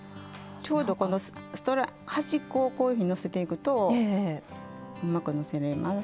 ちょうどこの端っこをこういうふうにのせていくとうまくのせれます。